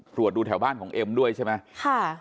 ตรวจดูแถวบ้านของเอ็มด้วยใช่ไหมค่ะ